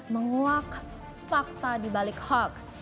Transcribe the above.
menguak fakta di balik hoaks